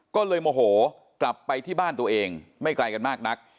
ก็เลยโมโหกลับไปที่บ้านตัวเองไม่ไกลกันมากนัก